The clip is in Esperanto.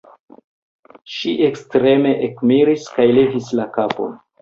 Ŝi ekstreme ekmiris kaj levis la kapon: